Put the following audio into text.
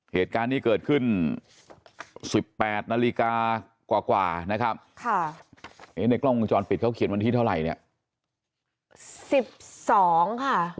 เหตุการณ์นี้เกิดขึ้น๑๘นาฬิกากว่านะครับในกล้องวงจรปิดเขาเขียนวันที่เท่าไหร่เนี่ย๑๒ค่ะ